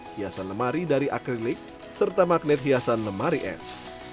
hiasan lemari dari akrilik serta magnet hiasan lemari es